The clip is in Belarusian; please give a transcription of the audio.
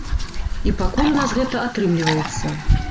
І пакуль у нас гэта атрымліваецца.